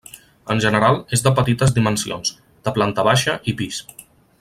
En general és de petites dimensions, de planta baixa i pis.